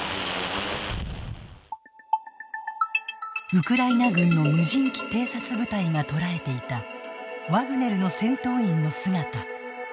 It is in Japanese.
ウクライナ軍の無人機偵察部隊がとらえていたワグネルの戦闘員の姿。